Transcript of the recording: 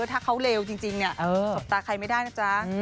ถ้าเขาเลวจริงเนี่ยสบตาใครไม่ได้นะจ๊ะ